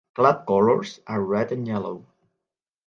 Club colors are red and yellow.